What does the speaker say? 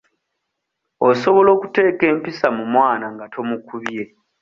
Osobola okuteeka empisa mu mwana nga tomukubye.